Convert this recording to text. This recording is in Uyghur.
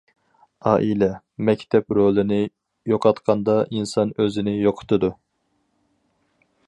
ئائىلە، مەكتەپ رولىنى يوقاتقاندا ئىنسان ئۆزىنى يوقىتىدۇ.